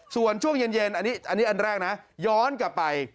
ส่วนช่วงเย็นอันนี้อันแรกนะย้อนกลับไป